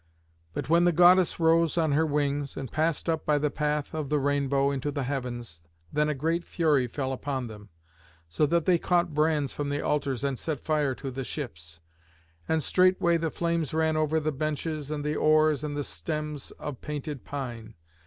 But when the goddess rose on her wings, and passed up by the path of the rainbow into the heavens, then a great fury fell upon them, so that they caught brands from the altars and set fire to the ships. And straightway the flames ran over the benches and the oars and the stems of painted pine.